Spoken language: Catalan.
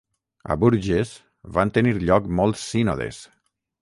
A Bourges van tenir lloc molts sínodes.